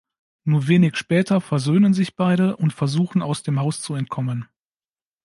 Nur wenig später “versöhnen” sich beide und versuchen aus dem Haus zu entkommen.